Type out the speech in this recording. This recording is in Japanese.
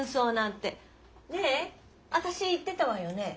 ねえ私言ってたわよね